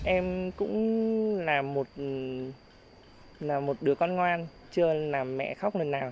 em cũng làm một đứa con ngoan chưa làm mẹ khóc lần nào